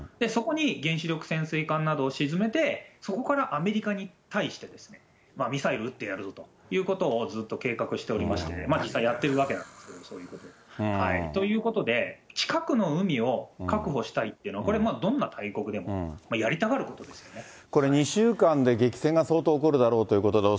そこに原子力潜水艦などを沈めて、そこからアメリカに対してですね、ミサイル撃ってやるぞということをずっと計画しておりまして、実際やってるわけなんですけど、そういうことを。ということで、近くの海を確保したいっていうの、これはどんな大国でもやりたがることですよね。